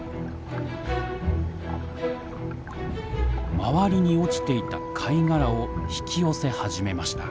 周りに落ちていた貝殻を引き寄せ始めました。